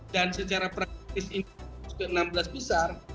dan secara praktis ini ke enam belas besar